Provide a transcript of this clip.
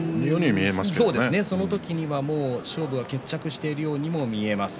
その時には勝負は決着しているようにも見えます。